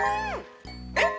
◆えっ？